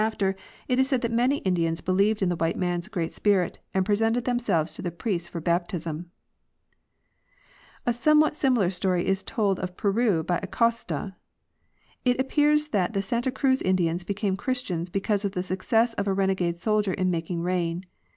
after, it is said that many Indians béheved in the white man's Great Spirit and presented themselves to the priests for baptism (Alice Elliot Keeler). A somewhat similar story is told of Peru by Acosta. It ap pears that the Santa Cruz Indians became Christians because of the success of a renegade soldier in making rain.